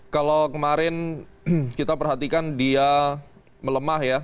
kalau kemarin kita perhatikan dia melemah ya